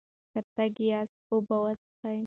که تږي یاست، اوبه وڅښئ.